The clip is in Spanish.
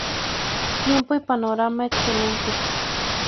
Tiempo y panorama excelentes.